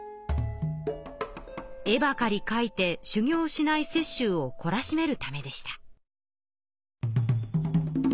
絵ばかり描いて修行をしない雪舟をこらしめるためでした。